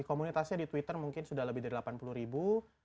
komunitasnya di twitter mungkin sudah lebih dari delapan puluh ribu